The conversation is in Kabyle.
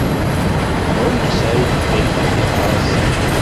Yuba ur yesɛi lebɣi ad iɣer ass-a.